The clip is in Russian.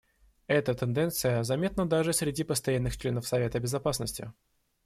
Эта тенденция заметна даже среди постоянных членов Совета Безопасности.